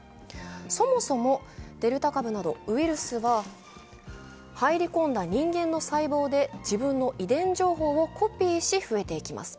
そもそもデルタ株などウイルスは入り込んだ人間の細胞で自分の遺伝情報をコピーし増えていきます。